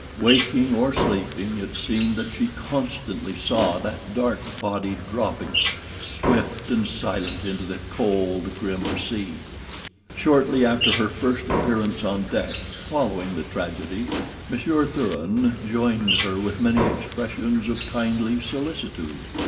Waking or sleeping, it seemed that she constantly saw that dark body dropping, swift and silent, into the cold, grim sea. Shortly after her first appearance on deck following the tragedy, Monsieur Thuran joined her with many expressions of kindly solicitude.